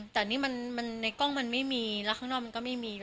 แต่อันนี้ในกล้องคือมันไม่มีและข้างนอกก็มี